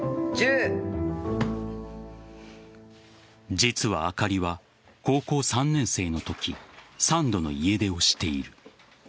実は、あかりは高校３年生のとき３度の家出をしている。